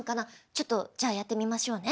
ちょっとじゃあやってみましょうね。